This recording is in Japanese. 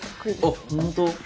あっ本当？